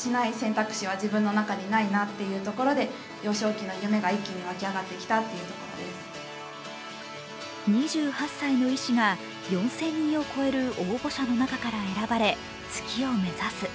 月の明かりに気づかされたのは２８歳の医師が、４０００人を超える応募者の中から選ばれ月を目指す。